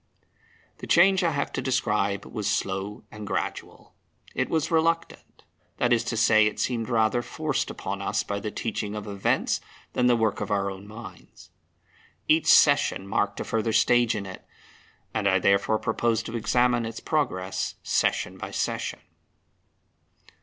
The change I have to describe was slow and gradual. It was reluctant that is to say, it seemed rather forced upon us by the teaching of events than the work of our own minds. Each session marked a further stage in it; and I therefore propose to examine its progress session by session.